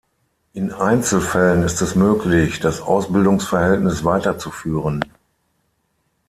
In Einzelfällen ist es möglich, das Ausbildungsverhältnis weiterzuführen.